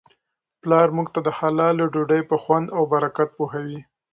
پلارموږ ته د حلالې ډوډی په خوند او برکت پوهوي.